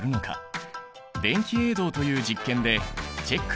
電気泳動という実験でチェックしよう！